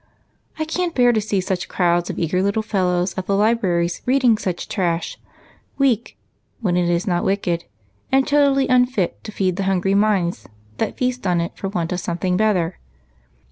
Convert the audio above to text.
I can't bear to see such crowds of eager little fellows at the libraries reading such trash ; weak, when it is not wdcked, and totally unfit to feed the hungry minds that feast on it for want of some thing better.